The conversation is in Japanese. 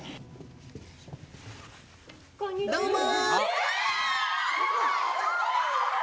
どうも！